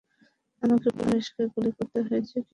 আমাকে পুলিশকে গুলি করতে হয়েছে কি?